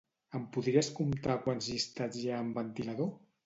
Em podries comptar quants llistats hi ha amb ventilador?